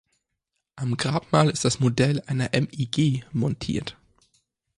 Am Grabmal ist das Modell einer MiG montiert.